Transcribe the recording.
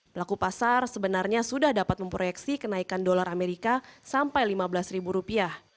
pelaku pasar sebenarnya sudah dapat memproyeksi kenaikan dolar amerika sampai lima belas ribu rupiah